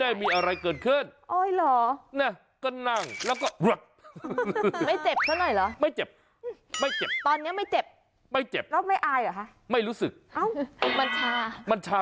ล้มลงไปนี่นักลัวนะ